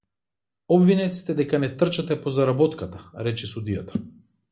Обвинет сте дека не трчате по заработка, рече судијата.